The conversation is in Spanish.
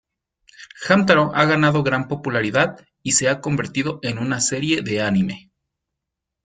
Hamtaro ha ganado gran popularidad y se ha convertido en una serie de anime.